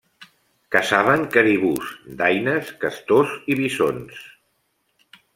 Caçaven caribús, daines, castors i bisons.